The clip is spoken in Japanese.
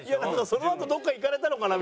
そのあとどこか行かれたのかな？